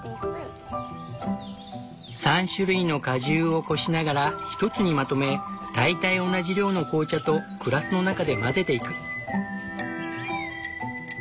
３種類の果汁をこしながら一つにまとめ大体同じ量の紅茶とグラスの中で混ぜていく。